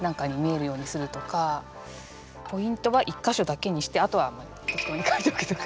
ポイントは１か所だけにしてあとは適当に書いとくとか。